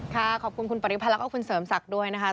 ค่ะขอบคุณคุณปฏิภัณฑ์และคุณเสริมศักดิ์ด้วยนะคะ